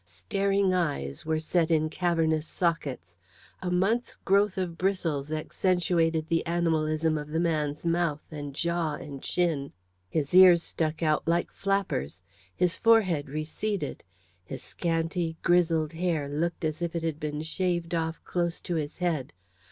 Staring eyes were set in cavernous sockets. A month's growth of bristles accentuated the animalism of the man's mouth, and jaw, and chin. His ears stuck out like flappers. His forehead receded. His scanty, grizzled hair looked as if it had been shaved off close to his head.